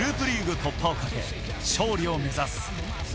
突破をかけ勝利を目指す。